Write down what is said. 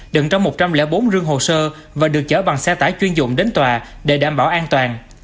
đựng trong một trăm linh bốn rương hồ sơ và được chở bằng xe tải chuyên dụng đến tòa để đảm bảo an toàn